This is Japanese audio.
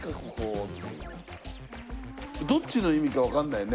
どっちの意味かわかんないね。